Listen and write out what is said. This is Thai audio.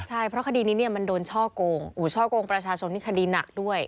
ใช่เพราะคดีนี้เนี่ยมันโดนช่อโกงช่อกงประชาชนที่คดีหนักด้วย